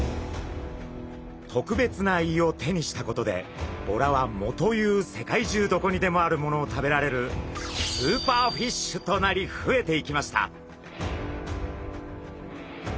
特別な胃を手にしたことでボラは藻という世界中どこにでもあるものを食べられるスーパーフィッシュとなり増えていきました。